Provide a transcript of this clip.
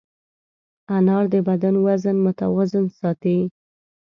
انار د بدن وزن متوازن ساتي.